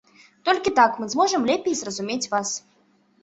Толькі так мы зможам лепей зразумець вас.